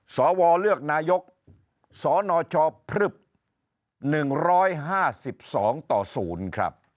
สวเลือกนายกสนชพลึบ๑๕๒ต่อ๐ครับ